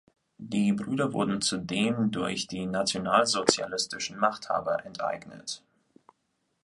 Die Brüder wurden zudem durch die nationalsozialistischen Machthaber enteignet.